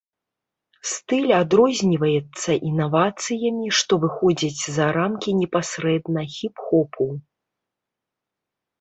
Стыль адрозніваецца інавацыямі, што выходзяць за рамкі непасрэдна хіп-хопу.